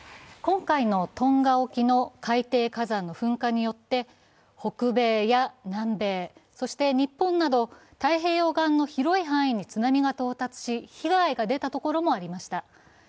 今回のトンガ沖の海底火山の噴火によって北米や南米、そして日本など太平洋岸の広い範囲に津波が到達し、被害が出たところもありました。